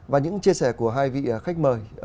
và những chia sẻ của hai vị khách mời